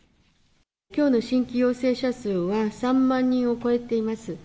きょうの新規陽性者数は３万人を超えています。